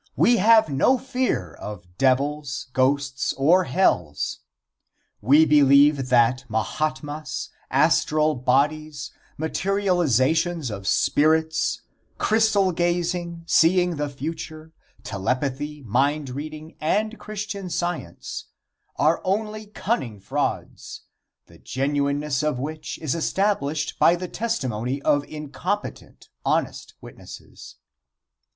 We have no fear of devils, ghosts or hells. We believe that Mahatmas, astral bodies, materializations of spirits, crystal gazing, seeing the future, telepathy, mind reading and Christian Science are only cunning frauds, the genuineness of which is established by the testimony of incompetent, honest witnesses.